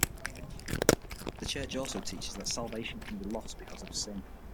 The church also teaches that salvation can be lost because of sin.